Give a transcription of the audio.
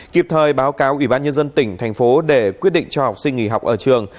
kịp thời báo cáo ủy ban nhân dân tỉnh thành phố để quyết định cho học sinh nghỉ học ở trường